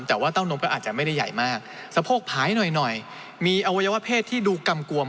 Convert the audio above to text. แต่ว่าเต้านมก็อาจจะไม่ได้ใหญ่มากสะโพกผายหน่อยหน่อยมีอวัยวะเพศที่ดูกำกวม